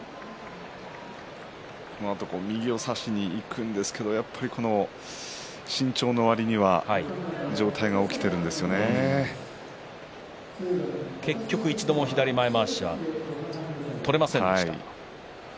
右を差しにいくんですけど慎重なわりには結局、一度も左前まわしは取れませんでした。